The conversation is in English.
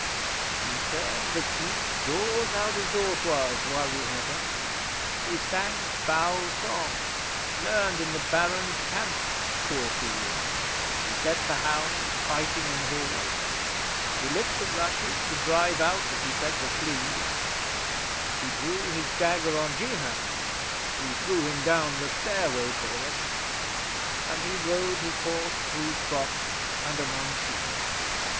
He turned the keep doors out of dortoirs while we had him. He sang foul songs, learned in the Barons' camps poor fool; he set the hounds fighting in Hall; he lit the rushes to drive out, as he said, the fleas; he drew his dagger on Jehan, who threw him down the stairway for it; and he rode his horse through crops and among sheep.